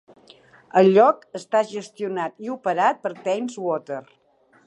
El lloc està gestionat i operat per Thames Water.